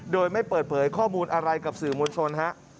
โดยไม่เปิดเผยข้อมูลอะไรกับสื่อมวลชนฮะ